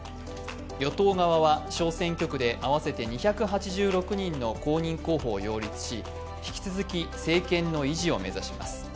与党側は小選挙区で合わせて２８６人の公認候補を擁立し、引き続き政権の維持を目指します。